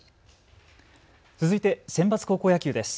続いてセンバツ高校野球です。